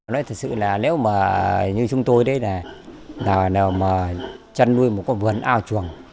nói thật sự là nếu mà như chúng tôi đấy là nào mà chăn nuôi một con vườn ao chuồng